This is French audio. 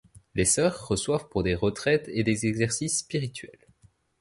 Les sœurs reçoivent pour des retraites et des exercices spirituels.